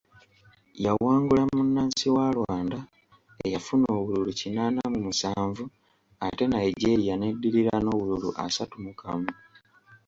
Yawangula munnansi wa Rwanda eyafuna obululu kinaana mu musanvu ate Nigeria n'eddirira n'obululu asatu mu kamu.